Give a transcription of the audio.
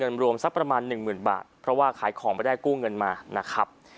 เป็นเงินรวมสักประมาณ๑๐๐๐๐บาทเพราะว่าขายของไปได้กู้เงินมานะครับ